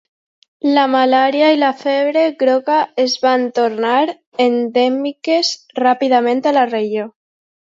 La malària i la febre groga es van tornar endèmiques ràpidament a la regió.